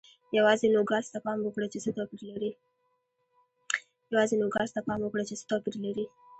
یوازې نوګالس ته پام وکړئ چې څه توپیر لري.